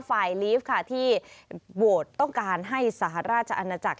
ฝ่ายลีฟที่โวท์ต้องการให้สหราชอาณาจักร